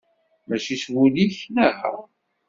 Mačči s wul-ik, neɣ?